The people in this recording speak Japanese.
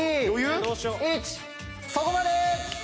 そこまで！